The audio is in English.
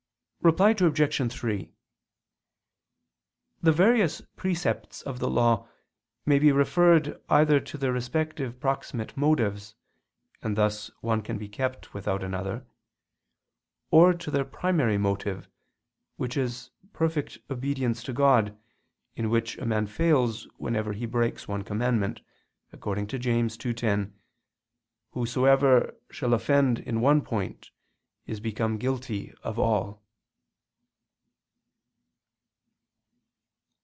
Reply Obj. 3: The various precepts of the Law may be referred either to their respective proximate motives, and thus one can be kept without another; or to their primary motive, which is perfect obedience to God, in which a man fails whenever he breaks one commandment, according to James 2:10: "Whosoever shall ... offend in one point is become guilty of all."